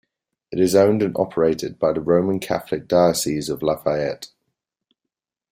It is owned and operated by the Roman Catholic Diocese of Lafayette.